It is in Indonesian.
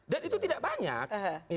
dan itu tidak banyak